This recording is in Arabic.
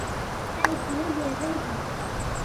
أعد إليّ زوجي!